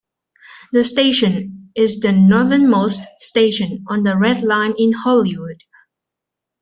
The station is the northernmost station on the Red Line in Hollywood.